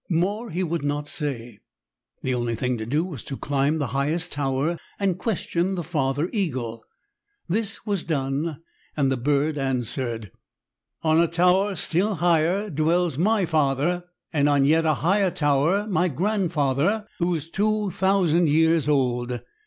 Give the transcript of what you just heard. More he would not say. The only thing to do was to climb the higher tower and question the father eagle. This was done, and the bird answered: "On a tower still higher dwells my father, and on yet a higher tower my grandfather, who is two thousand years old.